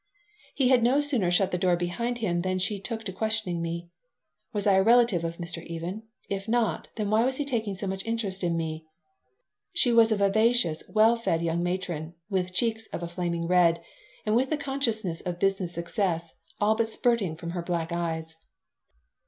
He had no sooner shut the door behind him than she took to questioning me: Was I a relative of Mr. Even? If not, then why was he taking so much interest in me? She was a vivacious, well fed young matron with cheeks of a flaming red and with the consciousness of business success all but spurting from her black eyes.